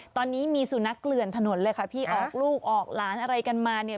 ตอนนี้มีสุนัขเกลื่อนถนนเลยค่ะพี่ออกลูกออกหลานอะไรกันมาเนี่ย